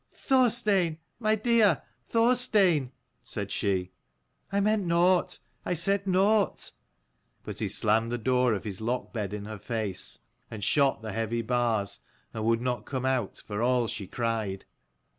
"Thorstein, my dear, Thorstein!" said she, " I meant nought : I said nought." But he slammed the door of his lockbed in her face, and shot the heavy bars, and would not come out for all she cried.